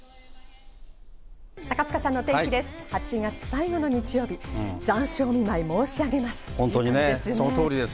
高塚さんのお天気です。